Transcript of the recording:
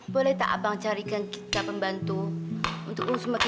boleh tak adang carikan kita pembantu